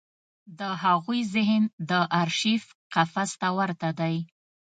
د هغوی ذهن د ارشیف قفس ته ورته دی.